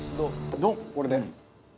これで。